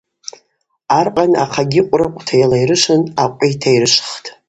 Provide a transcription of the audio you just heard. Аркъан ахъагьи къврыкъвта йалайрышвын акъви йтайрышвтӏ.